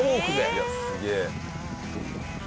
いやすげえ。